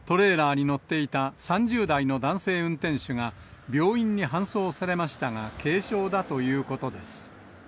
トレーラーに乗っていた３０代の男性運転手が、病院に搬送されましたが、軽傷だということです。